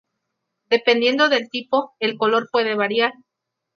Dependiendo del tipo, el color puede variar.